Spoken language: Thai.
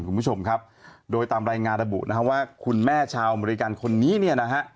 คุณผู้ชมครับโดยตามรายงานระบุนะฮะว่าคุณแม่ชาวอเมริกันคนนี้เนี่ยนะฮะ